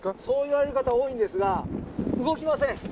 そう言われる方多いんですが動きません